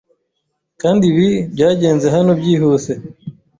Kandi ibi byangeze hano byihuse